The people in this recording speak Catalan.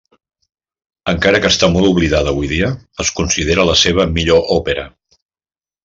Encara que està molt oblidada avui dia, es considera la seva millor òpera.